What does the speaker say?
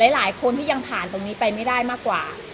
หลายคนที่ยังผ่านตรงนี้ไปไม่ได้มากกว่า